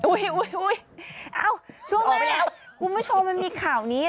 อุ๊ยช่วงแรกกูไม่ชอบมันมีข่าวนี้